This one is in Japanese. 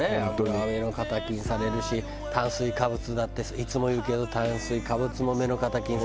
油は目の敵にされるし炭水化物だっていつも言うけど炭水化物も目の敵にされてるわ。